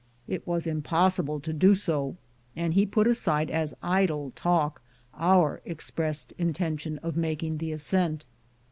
It was impossible to do so, and he put aside as idle talk our expressed intention of making the ascent.